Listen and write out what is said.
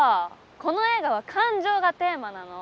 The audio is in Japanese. この映画は感情がテーマなの。